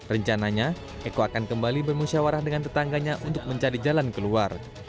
rencananya eko akan kembali bermusyawarah dengan tetangganya untuk mencari jalan keluar